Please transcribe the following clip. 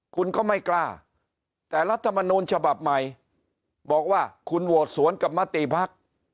คุณก็ไม่กล้าแต่รัฐมนูลฉบับใหม่บอกว่าคุณโหวตสวนกับมติภักดิ์